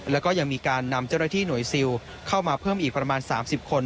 แล้วก็ยังมีการนำเจ้าหน้าที่หน่วยซิลเข้ามาเพิ่มอีกประมาณ๓๐คน